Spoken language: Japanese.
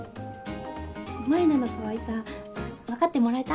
舞菜のかわいさ分かってもらえた？